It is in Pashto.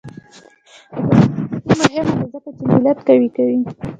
د بیان ازادي مهمه ده ځکه چې ملت قوي کوي.